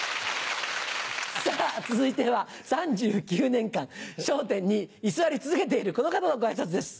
さぁ続いては３９年間『笑点』に居座り続けているこの方のご挨拶です。